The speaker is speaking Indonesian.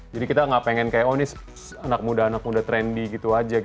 jadi kita gak pengen kayak oh ini anak muda anak muda trendy gitu aja